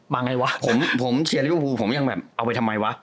มันยังแบบเอาไปทำไมวะ